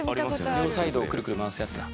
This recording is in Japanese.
両サイドをクルクル回すやつだ。